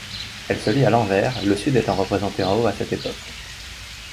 Elle se lit à l'envers, le sud étant représenté en haut à cette époque.